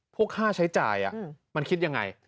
ค่าใช้จ่ายมันคิดยังไง